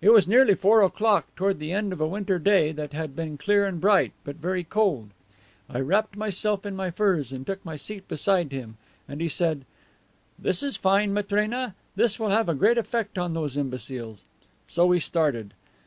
It was nearly four o'clock, toward the end of a winter day that had been clear and bright, but very cold. I wrapped myself in my furs and took my seat beside him, and he said, 'This is fine, Matrena; this will have a great effect on these imbeciles.' So we started.